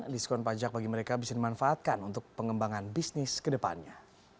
diskon pajak bagi mereka bisa dimanfaatkan untuk pengembangan bisnis ke depannya